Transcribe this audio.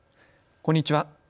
こんにちは。